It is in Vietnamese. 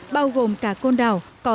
bao gồm cả côn đảo